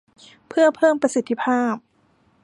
เพื่อเพิ่มประสิทธิภาพ